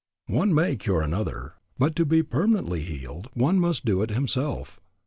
One may cure another, but to be permanently healed one must do it himself.